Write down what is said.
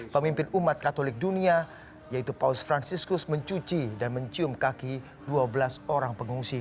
pemimpin umat katolik dunia yaitu paus franciscus mencuci dan mencium kaki dua belas orang pengungsi